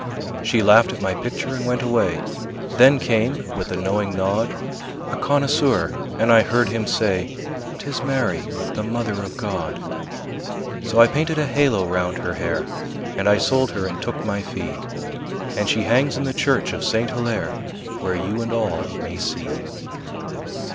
She laughed at my picture and went away. Then came, with a knowing nod, A connoisseur, and I heard him say; "'Tis Mary, the Mother of God." So I painted a halo round her hair, And I sold her and took my fee, And she hangs in the church of Saint Hillaire, Where you and all may see.